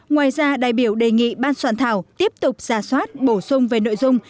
ngoài ra đại biểu đề nghị ban soạn thảo tiếp tục giả soát bổ sung về nội dung